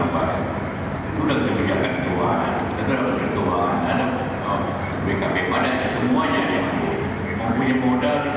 pokoknya persiapannya di china